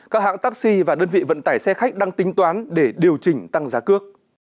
các hãng taxi và đơn vị vận tải xe khách đang tính toán để điều chỉnh tăng giá cước